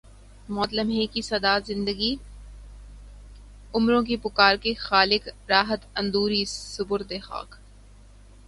موت لمحے کی صدا زندگی عمروں کی پکار کے خالق راحت اندوری سپرد خاک